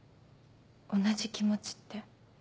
同じ気持ちって？